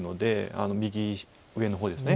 右上の方です。